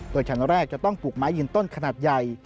โดยชั้นแรกจะต้องปลูกไม้ยืนต้นขนาดใหญ่